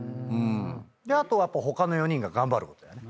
あとは他の４人が頑張ることだよね。